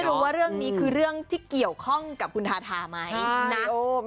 รู้ว่าเรื่องนี้คือเรื่องที่เกี่ยวข้องกับคุณทาทาไหมนะ